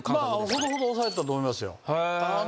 ほどほど抑えてたと思いますよ。